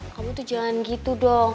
kamu tuh jalan gitu dong